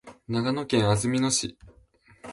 長野県安曇野市